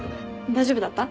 大丈夫だった？